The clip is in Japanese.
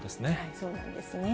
そうなんですね。